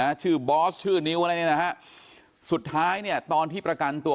ชื่อบอสชื่อนิ้วอะไรเนี่ยนะฮะสุดท้ายเนี่ยตอนที่ประกันตัว